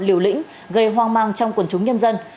liều lĩnh gây hoang mang trong quần chúng nhân dân